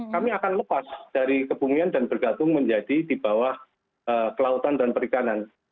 kami akan lepas dari kebumian dan bergabung menjadi di bawah kelautan dan perikanan